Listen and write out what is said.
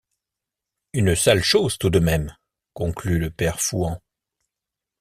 Une sale chose tout de même! conclut le père Fouan.